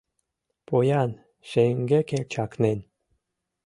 Поян, шеҥгеке чакнен